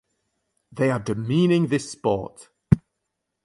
They are demeaning this sport!